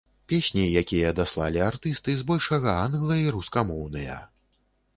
Песні, якія даслалі артысты, збольшага англа- і рускамоўныя.